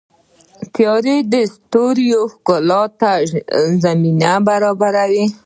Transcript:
• تیاره د ستورو ښکلا ته زمینه برابروي.